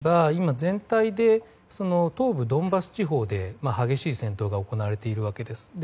戦略的に言えば今、全体で東部ドンバス地方で激しい戦闘が行われているわけです。